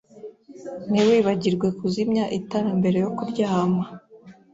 Ntiwibagirwe kuzimya itara mbere yo kuryama.